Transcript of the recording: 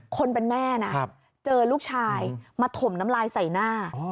คนเป็นแม่นะเจอลูกชายมาถมน้ำลายใส่หน้า